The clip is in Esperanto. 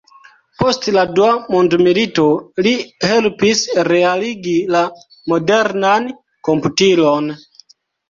Post la dua mondmilito li helpis realigi la modernan komputilon.